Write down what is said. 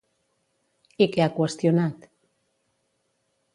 I què ha qüestionat?